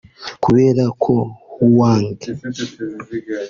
Kubera ko Huang